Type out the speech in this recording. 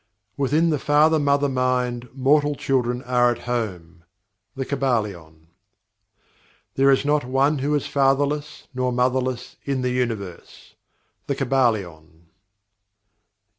"Within the Father Mother Mind, mortal children are at home." The Kybalion. "There is not one who is Fatherless, nor Motherless in the Universe." The Kybalion.